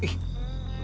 jadi ini dari cip genta